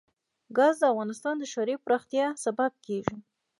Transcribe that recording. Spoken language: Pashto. ګاز د افغانستان د ښاري پراختیا سبب کېږي.